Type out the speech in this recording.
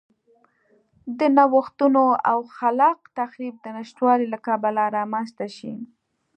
د نوښتونو او خلاق تخریب د نشتوالي له کبله رامنځته شي.